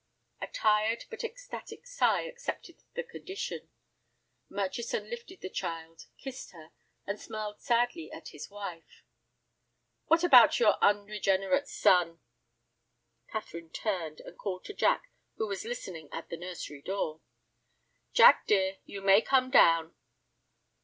A tired but ecstatic sigh accepted the condition. Murchison lifted the child, kissed her, and smiled sadly at his wife. "What about your unregenerate son?" Catherine turned, and called to Jack, who was listening at the nursery door. "Jack, dear, you may come down."